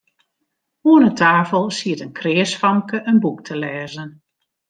Oan 'e tafel siet in kreas famke in boek te lêzen.